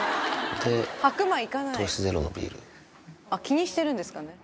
気にしてるんですかね。